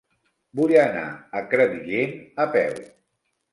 Vull anar a Crevillent a peu.